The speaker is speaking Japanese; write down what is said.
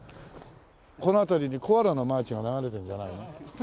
この辺りにコアラのマーチが流れてるんじゃない？